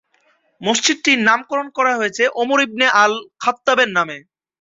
মসজিদটির নামকরণ করা হয়েছে ওমর ইবনে আল-খাত্ততাবের নামে।